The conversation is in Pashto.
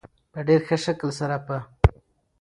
په ډېر ښه شکل سره په